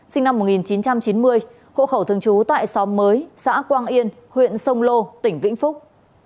sinh năm một nghìn chín trăm chín mươi hộ khẩu thường trú tại xóm mới xã quang yên huyện sông lô tỉnh vĩnh phúc